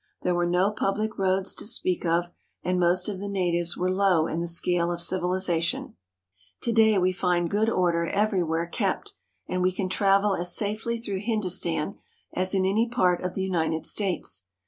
There were no public roads to speak of, and most of the natives were low in the scale of civilization. To day we find good order everywhere kept, and we can travel as safely through Hindustan as in any part of the United States.